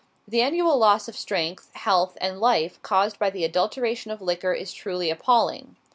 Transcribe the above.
The annual loss of strength, health, and life caused by the adulteration of liquor is truly appalling.